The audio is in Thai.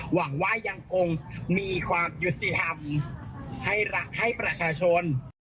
หวังว่ายังคงมีความยุติธรรมให้ประชาชน